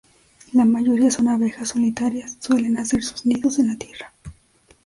La mayoría son abejas solitarias; suelen hacer sus nidos en la tierra.